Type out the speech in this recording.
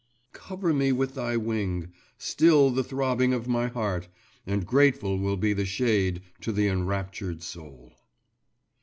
… Cover me with thy wing, Still the throbbing of my heart, And grateful will be the shade To the enraptured soul.